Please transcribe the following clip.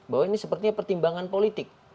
bahwa ini sepertinya pertimbangan politik